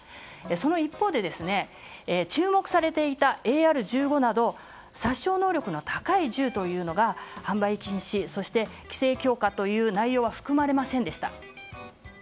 その一方で注目されていたＡＲ１５など殺傷能力の高い銃というのが販売禁止そして規制強化という内容は含まれませんでした。